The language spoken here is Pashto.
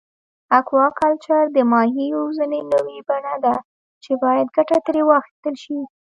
اکواکلچر د ماهي روزنې نوی بڼه ده چې باید ګټه ترې واخیستل شي.